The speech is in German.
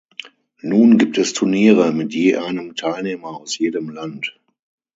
Nun gibt es Turniere mit je einem Teilnehmer aus jedem Land.